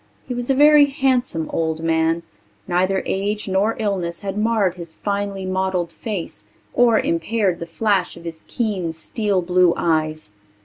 He was a very handsome old man; neither age nor illness had marred his finely modelled face or impaired the flash of his keen, steel blue eyes.